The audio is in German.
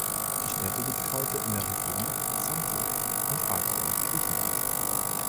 Die Stätte liegt heute in der Region Xanthi in Thrakien, Griechenland.